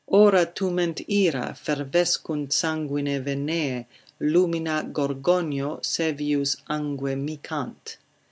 Ora tument ira, fervescunt sanguine venae, Lumina Gorgonio saevius angue micant.